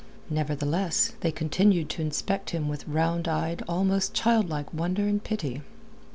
Nevertheless, they continued to inspect him with round eyed, almost childlike wonder and pity.